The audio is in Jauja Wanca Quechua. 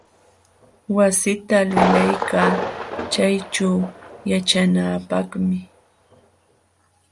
Wasita lulaykaa chayćhuu yaćhanaapaqmi.